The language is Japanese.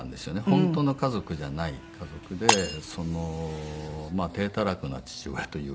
本当の家族じゃない家族で体たらくな父親というか。